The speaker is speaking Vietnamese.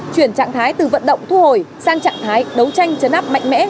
chuyển trạng thái từ vận động thu hồi sang trạng thái đấu tranh chấn áp mạnh mẽ